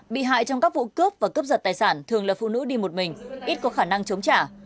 bị hại trong các vụ cướp và cướp giật tài sản thường là phụ nữ đi một mình ít có khả năng chống trả